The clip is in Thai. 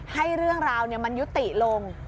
ให้เรื่องราวมันยุติลง